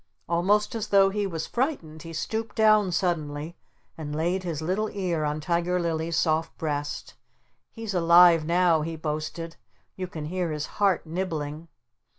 Almost as though he was frightened he stooped down suddenly and laid his little ear on Tiger Lily's soft breast. "He's alive now!" he boasted. "You can hear his heart nibbling!"